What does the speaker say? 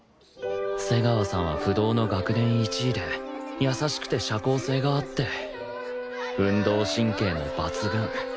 瀬川さんは不動の学年１位で優しくて社交性があって運動神経も抜群